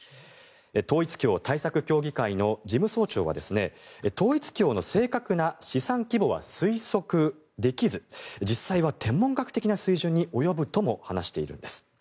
統一教対策協議会の事務総長は統一教の正確な資産規模は推測できず実際は天文学的な水準に及ぶとも話しているんです。